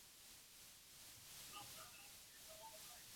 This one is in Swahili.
Mkoloni alikuja kwetu akaleta mazuri